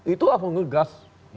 itu lah ngegas